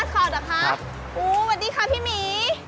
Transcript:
ตุ๊กตามัสคอร์ดเหรอคะอุ้ยสวัสดีค่ะพี่หมี